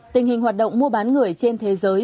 tình hình hoạt động mua bán người trên thế giới